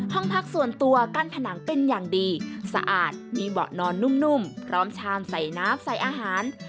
ห้องพักส่วนตัวกั้นผนังเป็นอย่างดีสะอาดมีเบาะนอนนุ่มพร้อมชามใส่น้ำใส่อาหาร